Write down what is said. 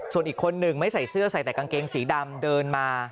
ส่วนอีกคนหนึ่งไม่ใส่เสื้อใส่แต่กางเกงสีดำเดินมา